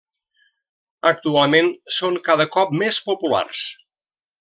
Actualment són cada cop més populars.